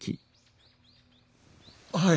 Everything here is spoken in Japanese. はい。